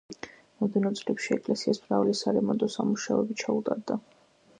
მომდევნო წლებში ეკლესიას მრავალი სარემონტო სამუშაოები ჩაუტარდა.